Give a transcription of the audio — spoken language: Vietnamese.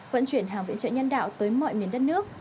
vận chuyển hàng viện trợ nhân đạo tới mọi miền đất nước